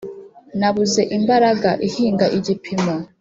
nabuze imbaraga ihinga igipimo